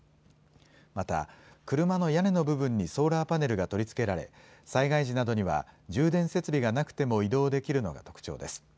また車の屋根の部分にソーラーパネルが取り付けられ災害時などには充電設備がなくても移動できるのが特徴です。